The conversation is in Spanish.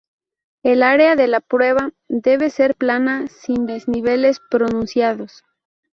El área de la prueba debe ser plana sin desniveles pronunciados.